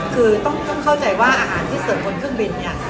คือต้องเข้าใจว่าอาหารที่เสิร์ฟบนเครื่องบินเนี่ย